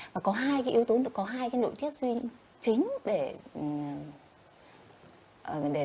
và có hai yếu tố có hai nội tiết duy chính để